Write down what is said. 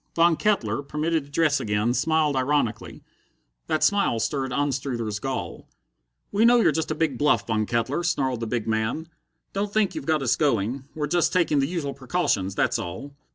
Von Kettler, permitted to dress again, smiled ironically. That smile stirred Anstruther's gall. "We know you're just a big bluff, Von Kettler," snarled the big man. "Don't think you've got us going. We're just taking the usual precautions, that's all."